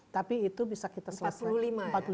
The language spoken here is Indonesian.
tapi itu bisa kita selesaikan